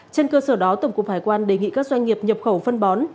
trên cơ sở đó tổng cục hải quan đề nghị các doanh nghiệp nhập khẩu phân bón